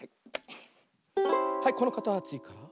はいこのかたちから。